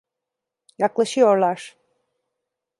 Yaklaşıyorlar.